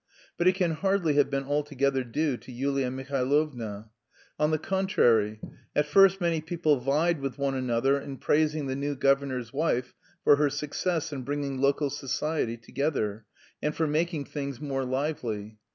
But it can hardly have been altogether due to Yulia Mihailovna. On the contrary; at first many people vied with one another in praising the new governor's wife for her success in bringing local society together, and for making things more lively.